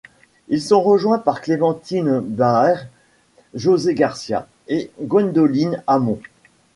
Ils sont rejoints par Clémentine Baert, José Garcia et Gwendoline Hamon.